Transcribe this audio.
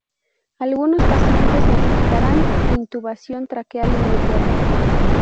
Algunos pacientes necesitarán intubación traqueal inmediata.